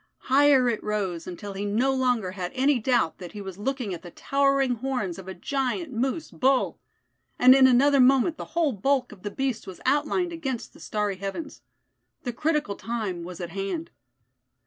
Higher it rose until he no longer had any doubt that he was looking at the towering horns of a giant moose bull. And in another moment the whole bulk of the beast was outlined against the starry heavens. The critical time was at hand.